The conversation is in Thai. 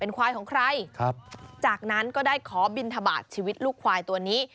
ควายของใครครับจากนั้นก็ได้ขอบินทบาทชีวิตลูกควายตัวนี้